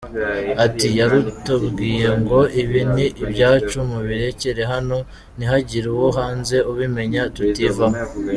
Ati « yaratubwiye ngo ibi ni ibyacu mubirekere hano, ntihagire uwo hanze ubimenya tutivamo ».